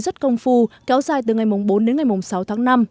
rất công phu kéo dài từ ngày bốn đến ngày sáu tháng năm